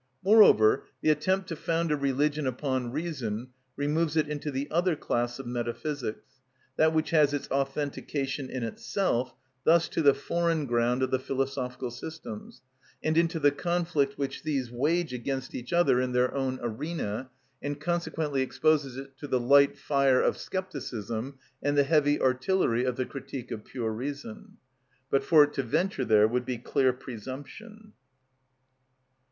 Moreover, the attempt to found a religion upon reason removes it into the other class of metaphysics, that which has its authentication in itself, thus to the foreign ground of the philosophical systems, and into the conflict which these wage against each other in their own arena, and consequently exposes it to the light fire of scepticism and the heavy artillery of the "Critique of Pure Reason;" but for it to venture there would be clear presumption.